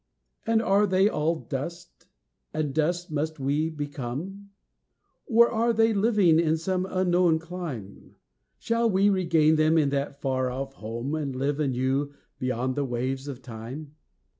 "And are they all dust? and dust must we become? Or are they living in some unknown clime? Shall we regain them in that far off home, And live anew beyond the waves of time?